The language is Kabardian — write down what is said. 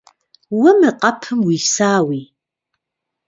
Уэ мы къэпым уисауи?